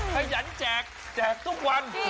ขยันแจกแจกทุกวัน